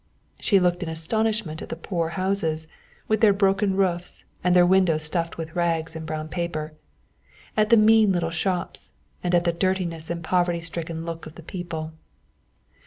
She looked in astonishment at the poor houses, with their broken roofs, and their windows stuffed with rags and brown paper, at the mean little shops and at the dirtiness and poverty stricken look of the people.